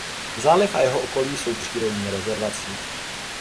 Záliv a jeho okolí jsou přírodní rezervací.